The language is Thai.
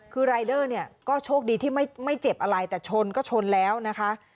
คือรายเดอร์เนี่ยก็โชคดีที่ไม่เจ็บอะไรแต่ชนก็ชนแล้วนะคะ